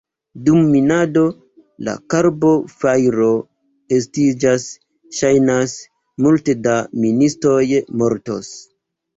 Dum minado de karbo fajro estiĝas, ŝajnas, multe da ministoj mortos.